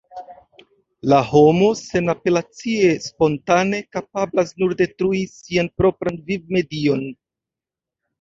La homo senapelacie, spontane kapablas nur detrui sian propran vivmedion.